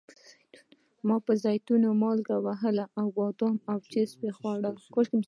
ما زیتون، مالګه وهلي بادام او چپس وخوړل.